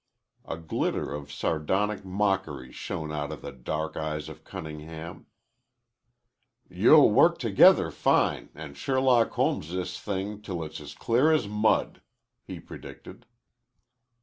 A glitter of sardonic mockery shone out of the dark eyes of Cunningham. "You'll work together fine and Sherlock Holmes this thing till it's as clear as mud," he predicted.